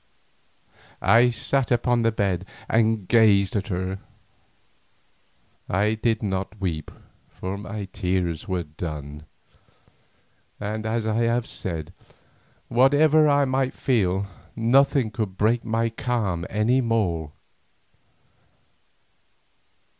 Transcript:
I sat upon the bed and gazed at her. I did not weep, for my tears were done, and as I have said, whatever I might feel nothing could break my calm any more.